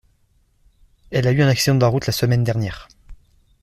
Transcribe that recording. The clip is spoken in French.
Elle a eu un accident de la route la semaine dernière.